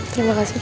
terima kasih pak